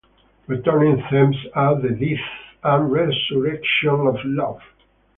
Returning themes are the death and resurrection of love.